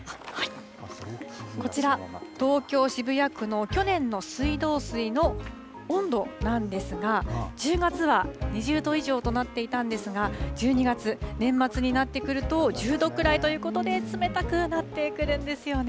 こちら、東京・渋谷区の去年の水道水の温度なんですが、１０月は２０度以上となっていたんですが、１２月、年末になってくると、１０度くらいということで、冷たくなってくるんですよね。